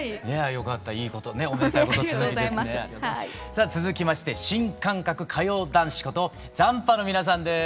さあ続きまして新感覚歌謡男子こと「斬波」の皆さんです。